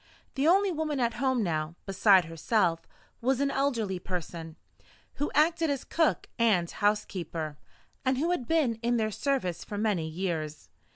The only woman at home now, beside herself, was an elderly person, who acted as cook and housekeeper, and who had been in their service for many years.